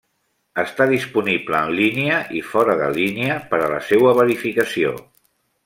Està disponible en línia i fora de línia per a la seua verificació.